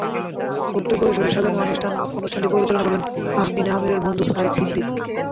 ছোট্ট পরিসরে সাজানো অনুষ্ঠানটি পরিচালনা করেন তাহমিনা আমীরের বন্ধু সাইদ সিদ্দীক।